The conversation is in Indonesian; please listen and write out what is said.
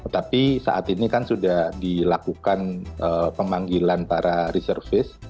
tapi saat ini kan sudah dilakukan pemanggilan para reservice